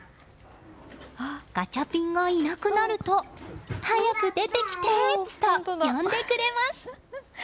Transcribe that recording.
ガチャピンがいなくなると早く出てきてと呼んでくれます。